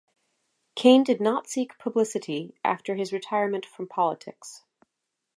Cain did not seek publicity after his retirement from politics.